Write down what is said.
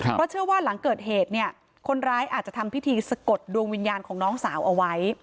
เพราะเชื่อว่าหลังเกิดเหตุเนี่ยคนร้ายอาจจะทำพิธีสะกดดวงวิญญาณของน้องสาวเอาไว้